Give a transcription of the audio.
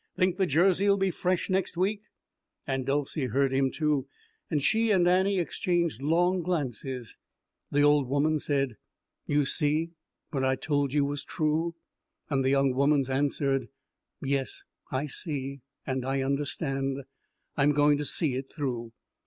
Think the Jersey'll be fresh next week?" Aunt Dolcey heard him, too, and she and Annie exchanged long glances. The old woman's said, "You see what I told you was true"; and the young woman's answered, "Yes, I see, and I understand. I'm going to see it through."